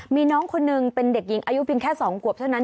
มีน้องคนหนึ่งเป็นเด็กหญิงอายุเพียงแค่๒ขวบเท่านั้น